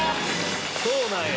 そうなんや！